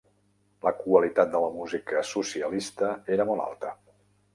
La qualitat de la música socialista era molt alta.